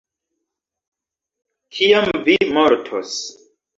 Kiam vi mortos?